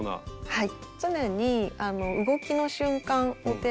はい。